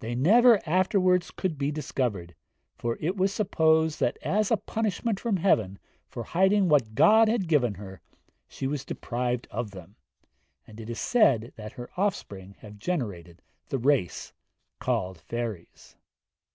They never afterwards could be discovered, for it was supposed that as a punishment from heaven for hiding what God had given her, she was deprived of them; and it is said these her offspring have generated the race called fairies.'